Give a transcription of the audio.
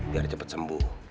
biar cepat sembuh